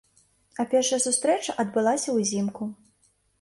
А першая сустрэча адбылася ўзімку.